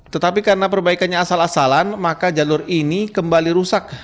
tetapi karena perbaikannya asal asalan maka jalur ini kembali rusak